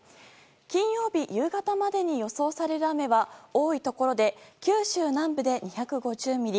金曜日夕方までに予想される雨は多いところで九州南部で２５０ミリ